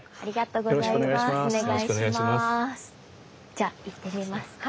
じゃあ行ってみますか。